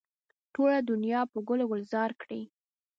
ټوله دنیا به ګل و ګلزاره کړي.